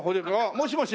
もしもし。